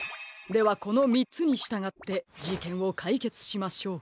ではこの３つにしたがってじけんをかいけつしましょう。